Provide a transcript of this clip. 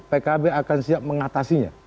pkb akan siap mengatasinya